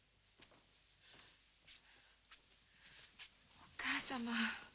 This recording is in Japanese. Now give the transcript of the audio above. お母様。